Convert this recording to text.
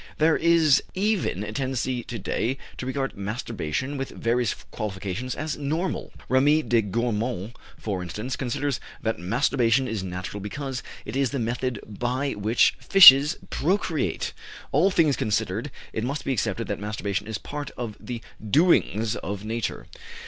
There is even a tendency to day to regard masturbation, with various qualifications, as normal. Remy de Gourmont, for instance, considers that masturbation is natural because it is the method by which fishes procreate: "All things considered, it must be accepted that masturbation is part of the doings of Nature.